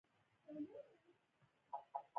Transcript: پیاز د غذایي موادو یوه سرچینه ده